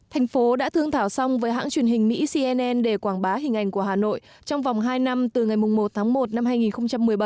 thành phố đã thương thảo song với hãng truyền hình mỹ cnn để quảng bá hình ảnh của hà nội trong vòng hai năm từ ngày một tháng một năm hai nghìn một mươi bảy